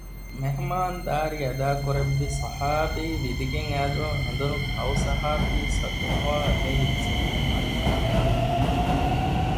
މެހުމާންދާރީ އަދާކުރެއްވި ޞަޙާބީ ވިދިގެން އައިދުވަހު ހެނދުނު ކައުސާހިބާ ޞައްލަﷲ ޢަލައިހި ވަސައްލަމަގެ އަރިހަށް ވަޑައިގެންނެވި